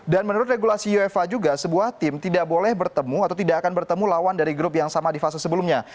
dan menurut regulasi uefa juga sebuah tim tidak boleh bertemu atau tidak akan bertemu lawan dari grup yang sama di fase sebelumnya